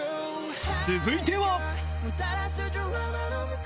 続いては